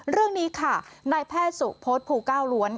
เรื่องนี้ค่ะนายแพทย์สุพศภูเก้าล้วน